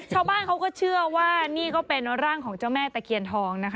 ชาวบ้านเขาก็เชื่อว่านี่ก็เป็นร่างของเจ้าแม่ตะเคียนทองนะคะ